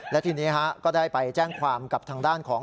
และทีนี้ก็ได้ไปแจ้งความกับทางด้านของ